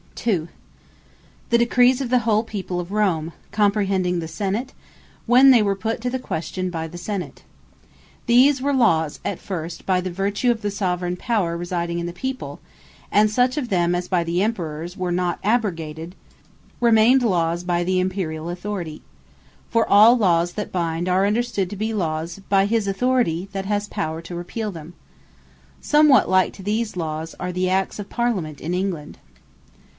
2. The Decrees Of The Whole People Of Rome (comprehending the Senate,) when they were put to the Question by the Senate. These were Lawes, at first, by the vertue of the Soveraign Power residing in the people; and such of them as by the Emperours were not abrogated, remained Lawes by the Authority Imperiall. For all Lawes that bind, are understood to be Lawes by his authority that has power to repeale them. Somewhat like to these Lawes, are the Acts of Parliament in England.